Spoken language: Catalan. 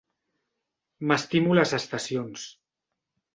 M'estimo les Estacions.